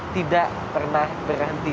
tidak pernah berhenti